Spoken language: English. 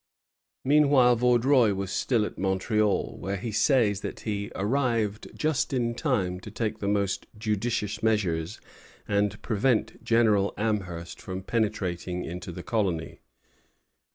Meanwhile Vaudreuil was still at Montreal, where he says that he "arrived just in time to take the most judicious measures and prevent General Amherst from penetrating into the colony."